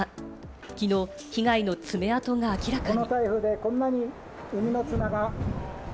きのう、被害の爪痕が明らかに。